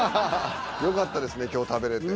よかったですね今日食べれて。